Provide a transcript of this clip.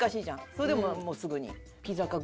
それでもすぐに。